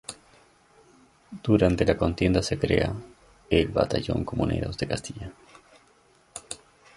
Durante la contienda se crea el "Batallón Comuneros de Castilla".